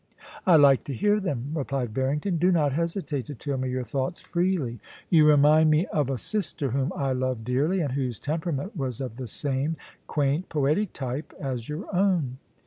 ' I like to hear them,' replied Barrington. * Do not hesi tate to tell me your thoughts freely. You remind me of a 8—2 1 16 POLICY AND PASSION, sister whom I loved dearly, and whose temperament was of the same quaint, poetic type as your o^n.'